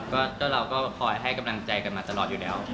ก็เจ้าเราก็คอยให้กำลังใจกันมาตลอดอยู่แล้ว